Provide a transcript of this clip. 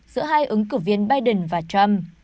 giữa hai ứng cử viên biden và trump